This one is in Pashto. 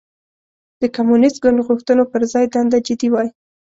د کمونېست ګوند غوښتنو پر ځای دنده جدي وای.